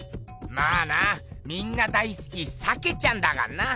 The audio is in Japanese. まあなみんな大すき鮭ちゃんだかんな。